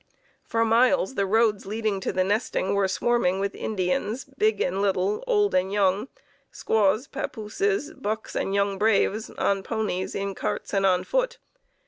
For miles the roads leading to the nesting were swarming with Indians, big and little, old and young, squaws, pappooses, bucks and young braves, on ponies, in carts and on foot.